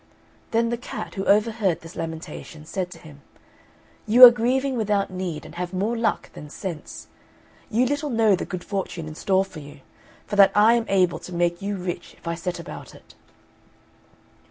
Then the cat, who overheard this lamentation, said to him, "You are grieving without need, and have more luck than sense. You little know the good fortune in store for you; and that I am able to make you rich if I set about it."